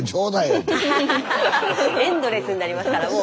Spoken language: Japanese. エンドレスになりますからもう。